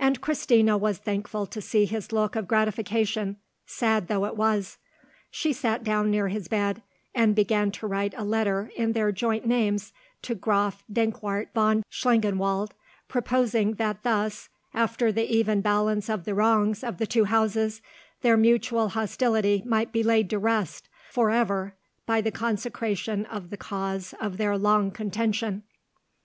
And Christina was thankful to see his look of gratification, sad though it was. She sat down near his bed, and began to write a letter in their joint names to Graf Dankwart von Schlangenwald, proposing that thus, after the even balance of the wrongs of the two houses, their mutual hostility might be laid to rest for ever by the consecration of the cause of their long contention.